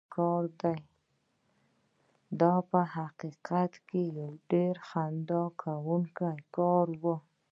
دا په حقیقت کې یو ډېر خندوونکی کار و.